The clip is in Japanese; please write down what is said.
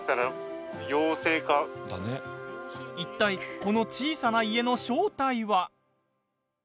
いったいこの小さな家の正体は？